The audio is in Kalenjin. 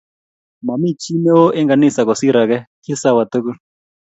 Mami chi neo eng kanisa kosir ake, kisawa tukul